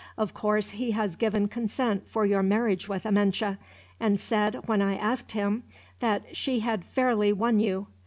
Of course, he has given consent for your marriage with Amenche; and said, when I asked him, that she had fairly won you.